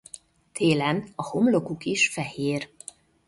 Télen a homlokuk is fehér.